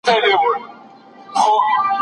خصوصي سکتور زیار باسي.